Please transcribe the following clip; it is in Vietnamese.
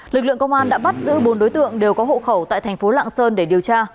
lực lượng công an đã bắt giữ bốn đối tượng đều có hộ khẩu tại thành phố lạng sơn để điều tra